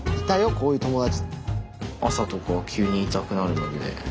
こういう友達。